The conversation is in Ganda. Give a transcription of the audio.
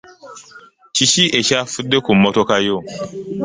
Kiki ekyafudde ku mmotoka yo?